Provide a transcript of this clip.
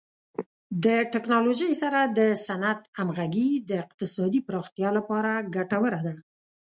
د ټکنالوژۍ سره د صنعت همغږي د اقتصادي پراختیا لپاره ګټوره ده.